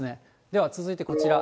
では、続いてこちら。